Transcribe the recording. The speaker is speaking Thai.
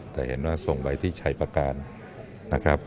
แต่เห็นว่าส่งไปที่ชัยประการนะครับ